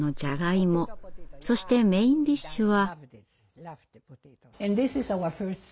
そしてメインディッシュは。